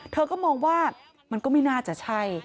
เธอก็มองว่ามันก็ไม่น่าจะใช่